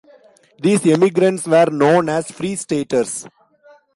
These emigrants were known as Free-Staters.